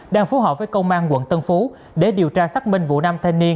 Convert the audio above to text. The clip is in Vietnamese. đang phú hợp với công an quận tân phú để điều tra xác minh vụ nam thanh niên